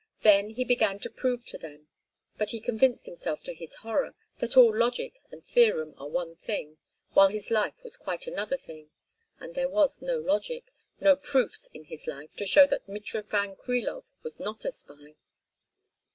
Then he began to prove to them—but he convinced himself, to his horror, that all logic and theorem are one thing, while his life was quite another thing, and there were no logic, no proofs in his life to show that Mitrofan Krilov was not a spy.